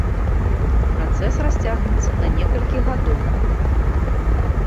Працэс расцягнецца на некалькі гадоў.